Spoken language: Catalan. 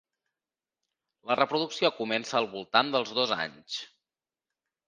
La reproducció comença al voltant dels dos anys.